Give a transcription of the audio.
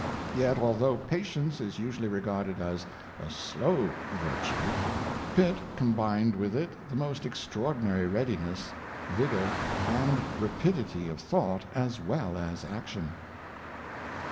Yet, although patience is usually regarded as a " slow " virtue, Pitt combined with it the most extraordinary readiness, vigor, and rapidity of thought as well as action.